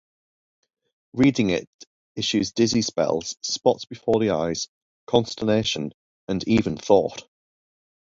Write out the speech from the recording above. Reading it issues dizzy spells, spots before the eyes, consternation, and even thought.